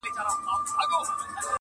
• بې له سُره چي پر هر مقام ږغېږي..